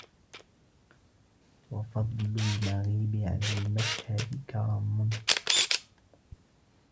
وَفَضْلَ الْمَغِيبِ عَلَى الْمَشْهَدِ كَرْمٌ